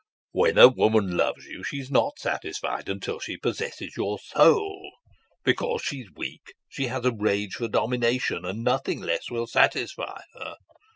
"When a woman loves you she's not satisfied until she possesses your soul. Because she's weak, she has a rage for domination, and nothing less will satisfy her.